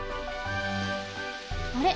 あれ？